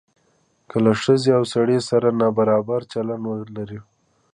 که له ښځې او سړي سره نابرابر چلند ولرو.